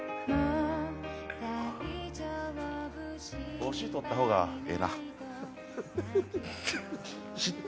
帽子とった方がええな。